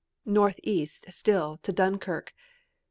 Northeast still, to Dunkirk.